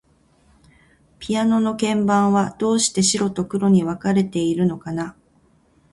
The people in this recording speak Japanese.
ピアノの鍵盤は、どうして白と黒に分かれているのかな。